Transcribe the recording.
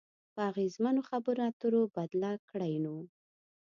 په اغیزمنو خبرو اترو بدله کړئ نو